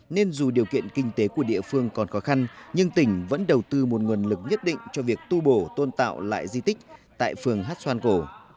nên dù điều kiện kinh tế của địa phương còn khó khăn nhưng tỉnh vẫn đầu tư một nguồn lực nhất định cho việc tu bổ tôn tạo lại di tích tại phường hát xoan cổ